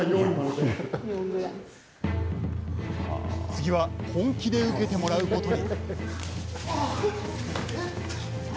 次は本気で受けてもらうことに。